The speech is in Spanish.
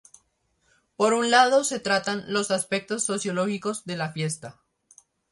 Por un lado se tratan los aspectos sociológicos de la fiesta.